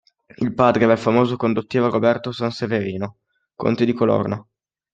Il padre era il famoso condottiero Roberto Sanseverino, conte di Colorno.